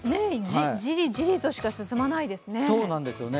じりじりとしか進まないですね。